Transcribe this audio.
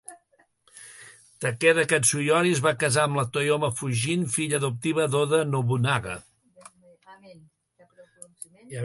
Takeda Katsuyori es va casar amb Toyoma Fujin, filla adoptiva d'Oda Nobunaga.